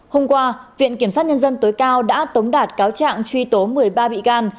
hôm qua viện kiểm sát nhân dân tối cao đã tống đạt cáo trạng truy tố một mươi ba bị can